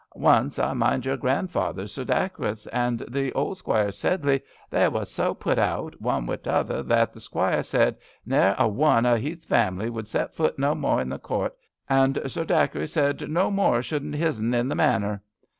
Once, I mind your grandfather. Sir Dacres, and the old Squire Sedley, they was zo put out, one wi* t'other, that the Squire said ne'er a one of 'ees famly should set foot no more in the Court, and Sir Dacres said no more shouldn't hissen at the Manor.